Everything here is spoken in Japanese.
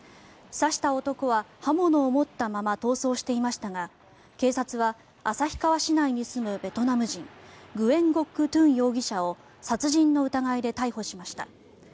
刺した男は刃物を持ったまま逃走していましたが警察は旭川市内に住むベトナム人グエン・ゴック・トゥン容疑者を殺人の疑いで逮捕しました。